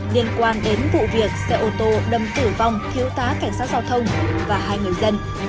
liên quan đến vụ việc xe ô tô đâm tử vong thiếu tá cảnh sát giao thông và hai người dân